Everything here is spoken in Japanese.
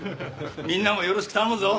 みんなもよろしく頼むぞ。